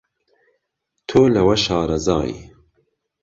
تۆ لەوە شارەزای